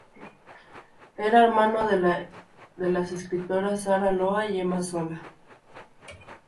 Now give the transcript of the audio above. Era hermano de las escritoras Sara Solá y Emma Solá.